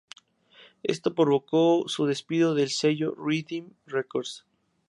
Esto provocó su despido del sello Rhythm Records.